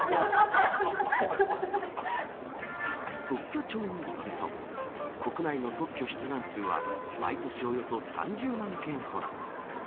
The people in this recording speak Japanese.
特許庁によると国内の特許出願数は毎年およそ３０万件ほど。